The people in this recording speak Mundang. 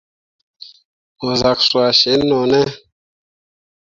Mo zak cuah sin no ne ?